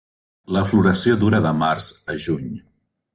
La floració dura de març a juny.